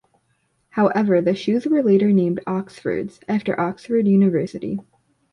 However, the shoes were later named Oxfords after Oxford University.